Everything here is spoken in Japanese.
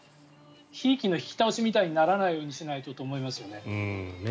ひいきの引き倒しにならないようにしないとと思いますよね。